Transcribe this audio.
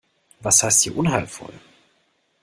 Was heißt hier unheilvoll?